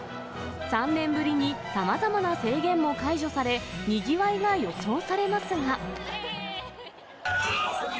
３年ぶりにさまざまな制限も解除され、にぎわいが予想されますが。